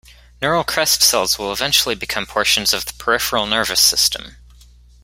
Neural crest cells will eventually become portions of the peripheral nervous system.